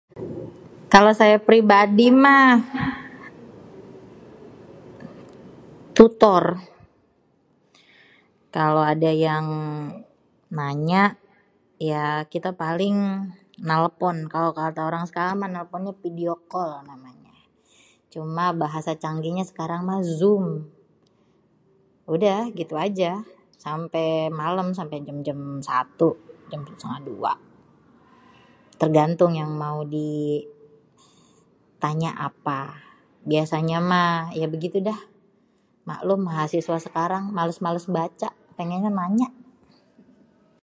Kalo saya pribadi mah, tutor. Kalo ada yang nanya, ya kita paling nêlpon kalo kata orang sekarang mah nêlponnya pidio kol namanya. Cuma bahasa canggihnya sekarang mah Zoom. Udah gitu aja sampé malem sampe jêm satu sêtengah dua. Têrgantung yang mau ditanya apa. Biasanya mah ya begitu dah, maklum mahasiswa sekarang males-males baca pengennya nanya.